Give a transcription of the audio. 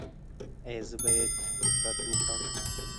ایا زه باید قروت وخورم؟